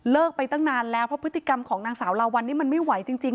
ไปตั้งนานแล้วเพราะพฤติกรรมของนางสาวลาวัลนี่มันไม่ไหวจริง